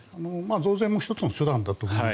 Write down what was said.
増税も１つの手段だと思います。